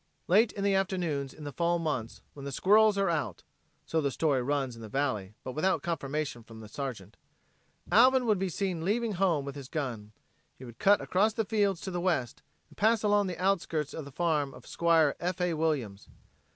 Late in the afternoons in the fall months, when the squirrels are out [so the story runs in the valley, but without confirmation from the Sergeant], Alvin would be seen leaving home with his gun. He would cut across the fields to the west and pass along the outskirts of the farm of Squire F. A. Williams.